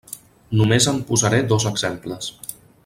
Només en posaré dos exemples.